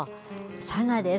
佐賀です。